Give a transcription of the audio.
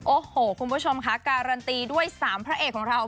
โอ้โหคุณผู้ชมค่ะการันตีด้วย๓พระเอกของเรา